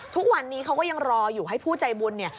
ทุกวันนี้เขาก็ยังรออยู่ให้ผู้ใจบุญเนี่ย